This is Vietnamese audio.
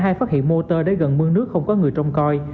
lấy gần mưa nước không có người trông coi